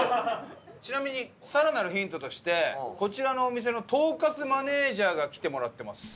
ちなみに更なるヒントとしてこちらのお店の統括マネージャーが来てもらってます。